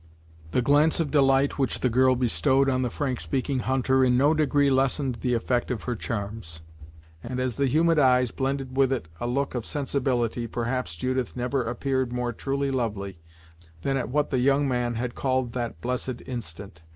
The glance of delight which the girl bestowed on the frank speaking hunter in no degree lessened the effect of her charms, and as the humid eyes blended with it a look of sensibility, perhaps Judith never appeared more truly lovely, than at what the young man had called that "blessed instant."